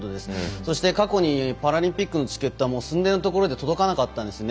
そして、過去にパラリンピックのチケットは寸前のところで届かなかったんですね。